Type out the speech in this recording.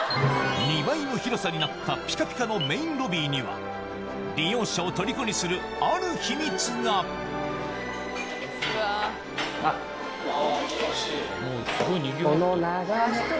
２倍の広さになったピカピカのメインロビーには利用者をとりこにするある秘密がこの眺め。